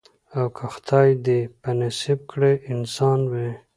او که خدای دي په نصیب کړی انسان وي